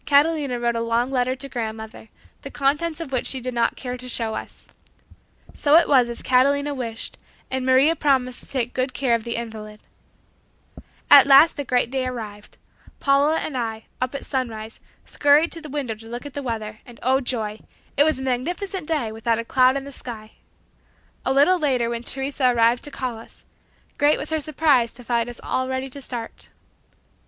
Catalina wrote a long letter to grandmother, the contents of which she did not care to show us. So it was as Catalina wished, and Maria promised to take good care of the invalid. At last the great day arrived. Paula and I, up at sunrise, scurried to the window to look at the weather, and oh joy! It was a magnificent day without a cloud in the sky! A little later when Teresa arrived to call us, great was her surprise to find us all ready to start.